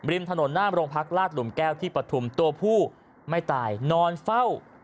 ริมถนนหน้าโรงพักลาดหลุมแก้วที่ปฐุมตัวผู้ไม่ตายนอนเฝ้า